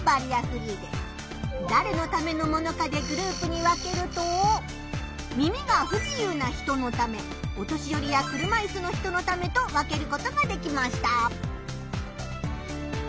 だれのためのものかでグループに分けると耳が不自由な人のためお年よりや車いすの人のためと分けることができました。